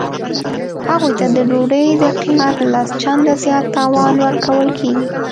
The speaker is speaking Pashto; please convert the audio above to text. هغوی ته د ډوډۍ د قیمت لس چنده زیات تاوان ورکول کیږي